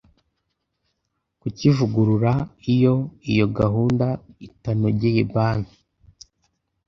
kukivugurura Iyo iyo gahunda itanogeye Banki